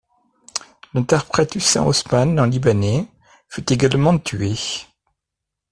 L'interprète Hussein Osman, un Libanais, fut également tué.